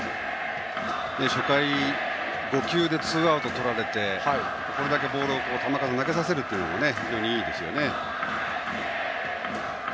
初回５球でツーアウトとられてこれだけボール球数を投げさせるというのも非常にいいですね。